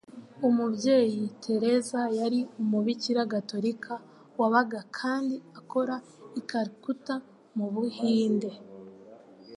Umubyeyi Teresa yari umubikira Gatolika wabaga kandi akora i Calcutta, mu Buhinde.